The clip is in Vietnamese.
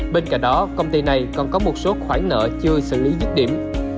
bên cạnh đó công ty này còn có một số khoản nợ chưa xử lý dứt điểm